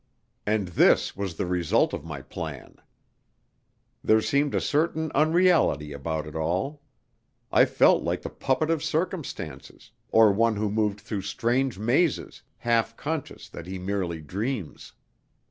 And this was the result of my plan. There seemed a certain unreality about it all. I felt like the puppet of circumstances, or one who moved through strange mazes, half conscious that he merely dreams.